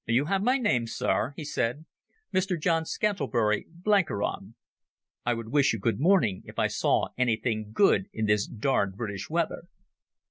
"You have my name, Sir," he said. "Mr John Scantlebury Blenkiron. I would wish you good morning if I saw anything good in this darned British weather."